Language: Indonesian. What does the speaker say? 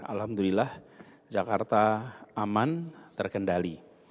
alhamdulillah jakarta aman terkendali